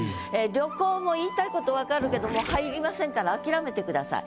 「旅行」も言いたいことわかるけど入りませんから諦めてください。